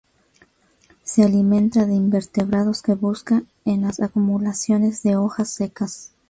Se alimenta de invertebrados que busca en las acumulaciones de hojas secas.